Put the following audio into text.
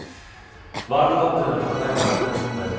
ワールドカップでの戦いが終わった日本代表。